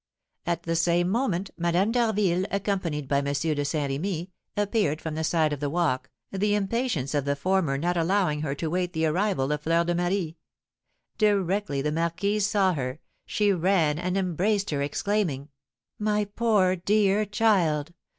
At the same moment, Madame d'Harville, accompanied by M. de Saint Remy, appeared from the side of the walk, the impatience of the former not allowing her to wait the arrival of Fleur de Marie. Directly the marquise saw her, she ran and embraced her, exclaiming: "My poor dear child!